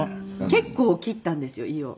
結構切ったんですよ胃を。